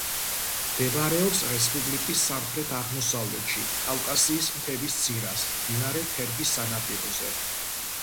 მდებარეობს რესპუბლიკის სამხრეთ-აღმოსავლეთში კავკასიის მთების ძირას, მდინარე თერგის სანაპიროზე.